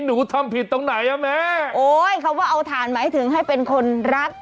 หนูทำผิดตรงไหนอ่ะแม่โอ้ยคำว่าเอาถ่านหมายถึงให้เป็นคนรัก